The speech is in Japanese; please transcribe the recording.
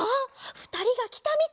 ふたりがきたみたい。